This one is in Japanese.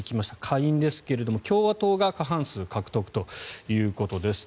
下院ですけれども、共和党が過半数獲得ということです。